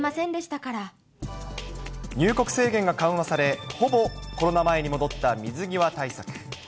入国制限が緩和され、ほぼコロナ前に戻った水際対策。